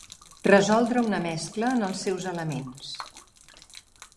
Resoldre una mescla en els seus elements.